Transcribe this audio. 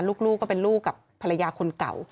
ลูกก็เป็นลูกกับภรรยาคนเก่า